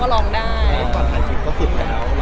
พึธส์หน้าหรือร้อง